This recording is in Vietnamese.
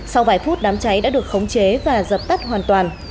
sau vài phút đám cháy đã được khống chế và dập tắt hoàn toàn